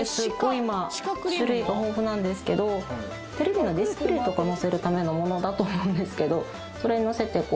今種類が豊富なんですけどテレビのディスプレーとかのせるためのものだと思うんですけどそれのせてこう